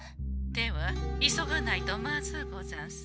では急がないとまずうござんす。